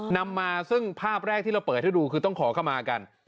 นำมาซึ่งภาพแรกที่เราเปิดให้ดูคือต้องขอเข้ามากัน